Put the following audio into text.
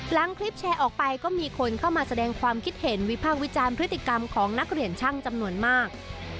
หลังคลิปแชร์ออกไปก็มีคนเข้ามาแสดงความคิดเห็นวิพากษ์วิจารณ์พฤติกรรมของนักเรียนช่างจำนวนมาก